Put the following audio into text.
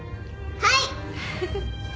はい！